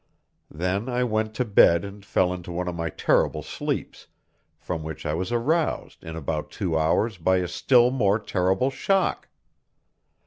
Then I went to bed and fell into one of my terrible sleeps, from which I was aroused in about two hours by a still more terrible shock.